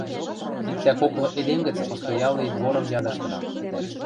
Иктӓ коклы эдем гӹц постоялый дворым ядыштынам.